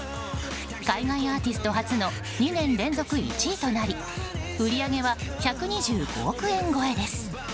海外アーティスト初の２年連続１位となり売り上げは１２５億円超えです。